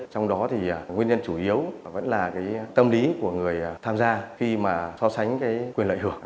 trong đó thì nguyên nhân chủ yếu vẫn là cái tâm lý của người tham gia khi mà so sánh cái quyền lợi hưởng